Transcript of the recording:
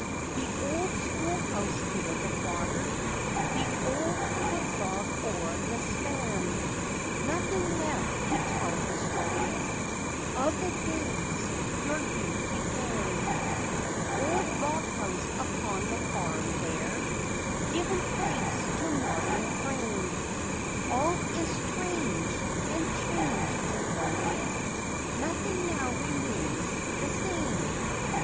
The old school house near the water? The old foot log o'er the span? Nothing left to tell the story Of the days your youth began, Old log house upon the farm, there, Given place to modern frame, All is strange, and changed, and lonely, Nothing now remains the same.